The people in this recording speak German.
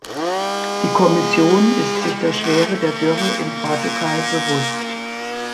Die Kommission ist sich der Schwere der Dürre in Portugal bewusst.